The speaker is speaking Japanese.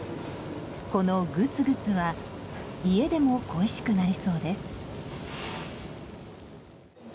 このグツグツは家でも恋しくなりそうです。